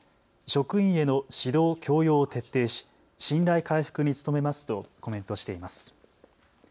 職員への指導教養を徹底し信頼回復に努めますとコメントしています。